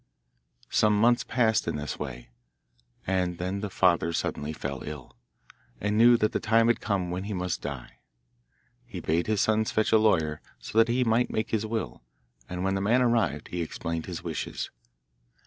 Some months passed in this way, and then the father suddenly fell ill, and knew that the time had come when he must die. He bade his sons fetch a lawyer, so that he might make his will, and when the man arrived he explained his wishes.